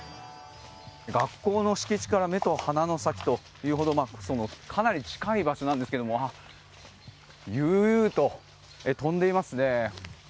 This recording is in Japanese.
学校の敷地から目と鼻の先というほどかなり近い場所なんですけれども悠々と飛んでいますね。